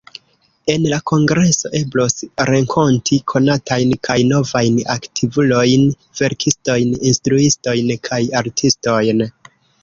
En la kongreso, eblos renkonti konatajn kaj novajn aktivulojn, verkistojn, instruistojn, kaj artistojn.